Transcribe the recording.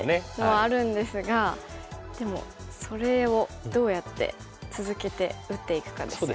もあるんですがでもそれをどうやって続けて打っていくかですよね。